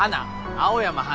青山花。